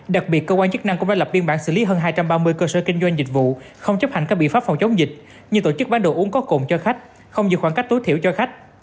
đặc biệt cơ quan chức năng cũng đã lập biên bản xử lý hơn hai trăm ba mươi cơ sở kinh doanh dịch vụ không chấp hành các biện pháp phòng chống dịch như tổ chức bán đồ uống có cồn cho khách không giữ khoảng cách tối thiểu cho khách